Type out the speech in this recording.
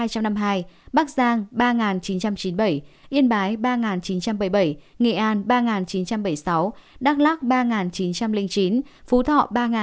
hà nội một mươi hai trăm năm mươi hai bắc giang ba chín trăm chín mươi bảy yên bái ba chín trăm bảy mươi bảy nghệ an ba chín trăm bảy mươi sáu đắk lắc ba chín trăm linh chín phú thọ ba sáu trăm ba mươi tám